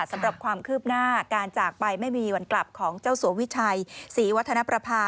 สำหรับความคืบหน้าการจากไปไม่มีวันกลับของเจ้าสัววิชัยศรีวัฒนประภา